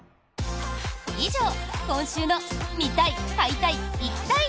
以上、今週の「見たい！買いたい！